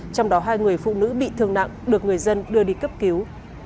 trong đó hai người phụ nữ bị thương nặng được người dân đưa đi cấp cứu